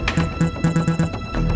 jadi ada air